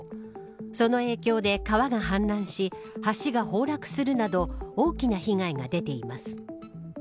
その影響で川が氾濫し橋が崩落するなど大きな被害が出ています。